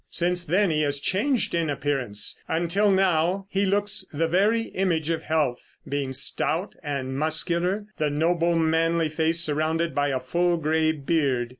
Since then he has changed in appearance, until now he looks the very image of health, being stout and muscular, the noble manly face surrounded by a full gray beard.